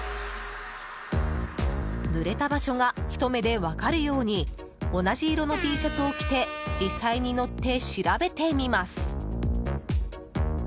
ぬれた場所がひと目で分かるように同じ色のＴシャツを着て実際に乗って調べてみます。